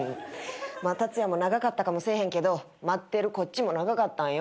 タツヤも長かったかもせえへんけど待ってるこっちも長かったんよ